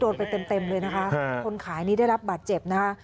ไปเต็มเลยนะคะคนขายนี้ได้รับบาดเจ็บนะคะ